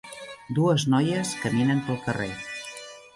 dues noies caminen pel carrer